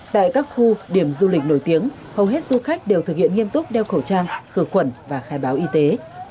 tại các khu điểm du lịch nổi tiếng hầu hết du khách đều thực hiện nghiêm túc đeo khẩu trang khử khuẩn và khai báo y tế